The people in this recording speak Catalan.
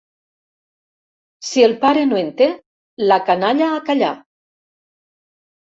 Si el pare no en té, la canalla a callar.